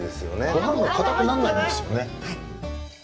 ごはんがかたくならないんですよね。